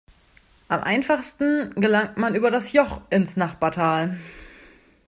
Am einfachsten gelangt man über das Joch ins Nachbartal.